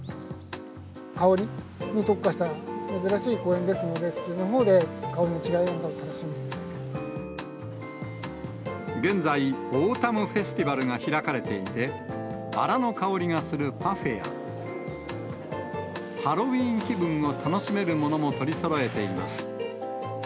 香りに特化した珍しい公園ですので、現在、オータムフェスティバルが開かれていて、バラの香りがするパフェや、ハロウィーン気分を楽しめるものも取りそろえています。